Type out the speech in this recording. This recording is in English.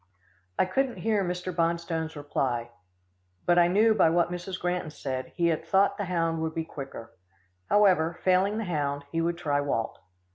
I couldn't hear Mr. Bonstone's reply, but I knew by what Mrs. Granton said, he had thought the hound would be quicker. However, failing the hound, he would try Walt.